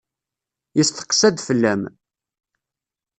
Yesteqsa-d fell-am.